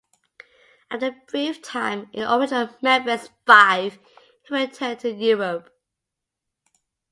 After a brief time in the Original Memphis Five, he returned to Europe.